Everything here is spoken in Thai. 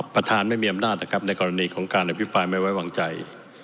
ประธานไม่มีอำนาจนะครับในกรณีของการอธิบายแม้ว่าวางใจ